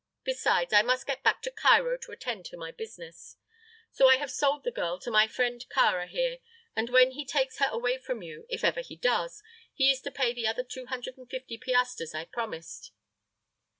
Besides, I must get back to Cairo to attend to my business, so I have sold the girl to my friend Kāra here, and when he takes her away from you, if ever he does, he is to pay the other two hundred and fifty piastres I promised."